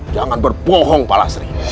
jangan berbohong pak lasri